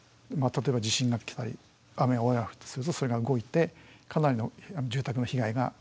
例えば地震が来たり大雨が降ったりするとそれが動いてかなりの住宅の被害が出るわけです。